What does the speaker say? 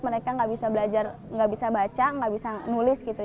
mereka gak bisa belajar gak bisa baca gak bisa nulis gitu